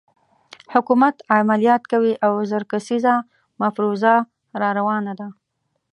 حکومت عملیات کوي او زر کسیزه مفروزه راروانه ده.